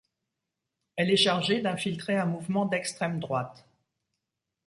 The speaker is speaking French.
Elle est chargée d'infiltrer un mouvement d'extrême-droite.